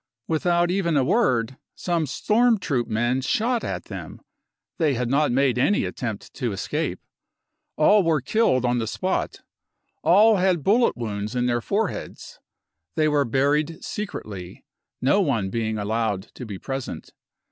Without even a word, some Storm Troop men shot at them ; they had not made any attempt to escape. All were killed on the spot. All had bullet wounds in their foreheads. They were buried secretly, no one being allowed to be present.